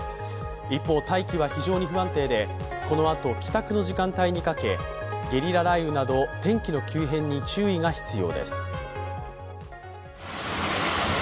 一方、大気は非常に不安定でこのあと帰宅の時間帯にかけゲリラ雷雨など天気の急変に注意が必要です。